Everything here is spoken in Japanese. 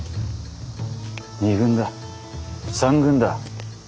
二軍だ。三軍だ。